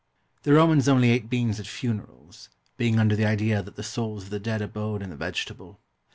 The Romans only ate beans at funerals, being under the idea that the souls of the dead abode in the vegetable.